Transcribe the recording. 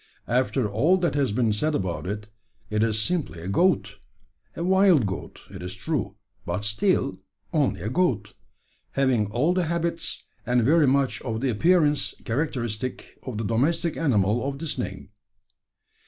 After all that has been said about it, it is simply a goat a wild goat, it is true, but still only a goat having all the habits, and very much of the appearance characteristic of the domestic animal of this name.